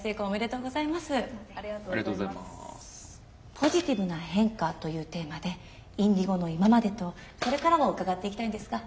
「ポジティブな変化」というテーマでＩｎｄｉｇｏの今までとこれからを伺っていきたいんですが。